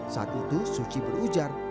saat itu suu kyi berujar